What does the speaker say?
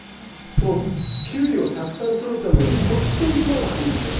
そのキュウリをたくさんとるためのコツというのがあるんですよ。